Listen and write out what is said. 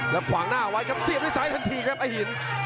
แล้วขวางหน้าออกไว้ครับเสียบได้ใส่กันทีครับอาหิน